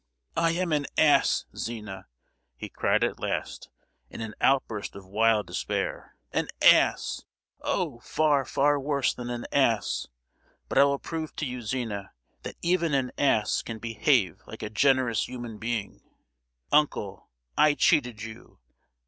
"I am an ass, Zina," he cried at last, in an outburst of wild despair,—"an ass! oh far, far worse than an ass. But I will prove to you, Zina, that even an ass can behave like a generous human being! Uncle, I cheated you!